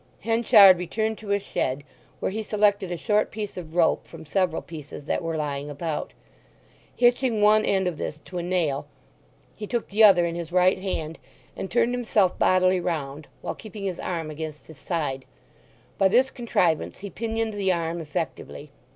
Henchard returned to a shed, where he selected a short piece of rope from several pieces that were lying about; hitching one end of this to a nail, he took the other in his right hand and turned himself bodily round, while keeping his arm against his side; by this contrivance he pinioned the arm effectively.